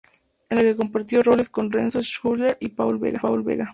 En la que compartió roles con Renzo Schuller y Paul Vega.